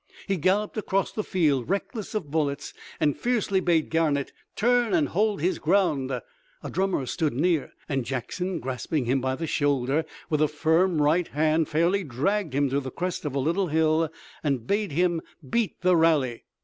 He galloped across the field, reckless of bullets, and fiercely bade Garnett turn and hold his ground. A drummer stood near and Jackson, grasping him by the shoulder with a firm right hand, fairly dragged him to the crest of a little hill, and bade him beat the rally.